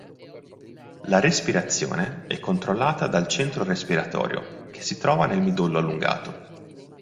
La respirazione è controllata dal centro respiratorio che si trova nel midollo allungato.